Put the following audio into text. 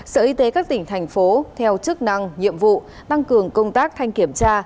sở y tế các tỉnh thành phố theo chức năng nhiệm vụ tăng cường công tác thanh kiểm tra